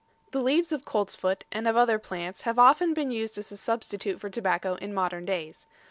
The leaves of coltsfoot and of other plants have often been used as a substitute for tobacco in modern days.